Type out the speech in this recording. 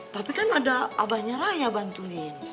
tapi kan ada abahnya raya bantuin